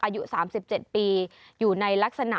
อายุ๓๗ปีอยู่ในลักษณะ